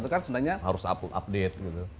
itu kan sebenarnya harus update